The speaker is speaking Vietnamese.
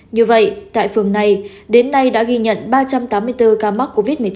như vậy tại phường này đến nay đã ghi nhận ba trăm tám mươi bốn ca mắc covid một mươi chín